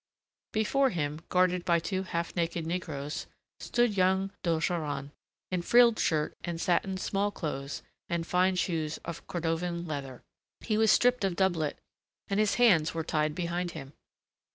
Before him, guarded by two half naked negroes, stood young d'Ogeron, in frilled shirt and satin small clothes and fine shoes of Cordovan leather. He was stripped of doublet, and his hands were tied behind him.